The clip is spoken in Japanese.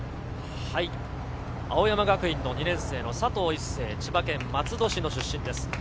青山学院の２年生の佐藤一世、千葉県松戸市出身です。